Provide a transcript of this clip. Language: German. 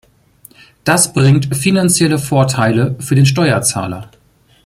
Das bringt finanzielle Vorteile für den Steuerzahler.